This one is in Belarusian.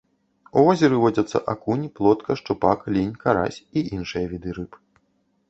У возеры водзяцца акунь, плотка, шчупак, лінь, карась і іншыя віды рыб.